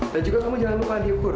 dan juga kamu jangan lupa diukur